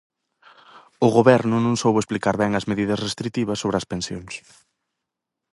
O Goberno non soubo explicar ben as medidas restritivas sobre as pensións.